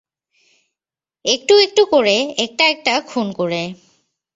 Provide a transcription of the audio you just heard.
একটু একটু করে, একটা একটা খুন করে।